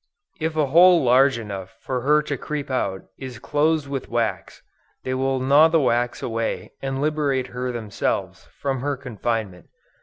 If a hole large enough for her to creep out, is closed with wax, they will gnaw the wax away, and liberate her themselves, from her confinement.